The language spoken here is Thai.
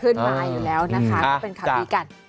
ขึ้นมาอยู่แล้วนะคะเป็นขับดีกัน